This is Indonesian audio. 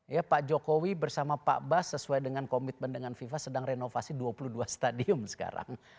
ya pak jokowi bersama pak bas sesuai dengan komitmen dengan fifa sedang renovasi dua puluh dua stadium sekarang